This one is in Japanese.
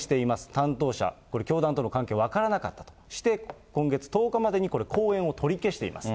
担当者、これ教団との関係、分からなかったとして、今月１０日までにこれ、後援を取り消しています。